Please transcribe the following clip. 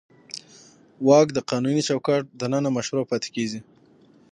واک د قانوني چوکاټ دننه مشروع پاتې کېږي.